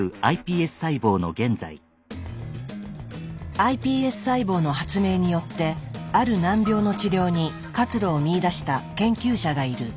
ｉＰＳ細胞の発明によってある難病の治療に活路を見いだした研究者がいる。